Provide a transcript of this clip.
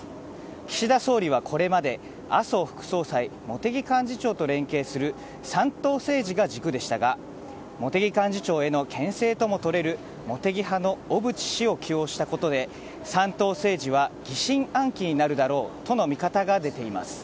岸田総理はこれまで麻生副総裁茂木幹事長と連携する三頭政治が軸でしたが茂木幹事長へのけん制ともとれる茂木派の小渕氏を起用したことで三頭政治は疑心暗鬼になるだろうとの見方が出ています。